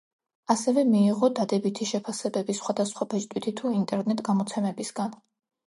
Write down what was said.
ასევე მიიღო დადებითი შეფასებები სხვადასხვა ბეჭდვითი თუ ინტერნეტ გამოცემებისგან.